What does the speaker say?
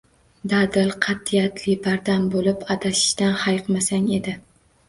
Dadil, qat’iyatli, bardam bo’lib adashishdan hayiqmasang edi.